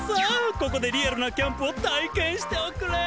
ここでリアルなキャンプをたいけんしておくれ！